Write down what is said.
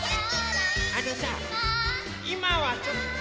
あのさいまはちょっと。